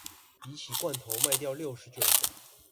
比起罐頭賣掉六十九個